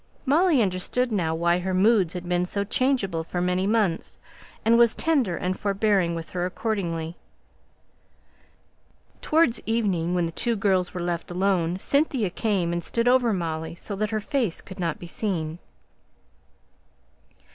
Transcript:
Molly understood now why her moods had been so changeable for many months, and was tender and forbearing with her accordingly. Towards evening, when the two girls were left alone, Cynthia came and stood over Molly, so that her face could not be seen.